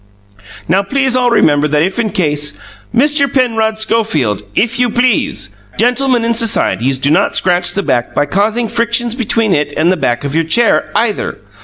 Now please all remember that if in case Mister Penrod Schofield, if you please! Gentlemen in societies do not scratch the back by causing frictions between it and the back of your chair, either!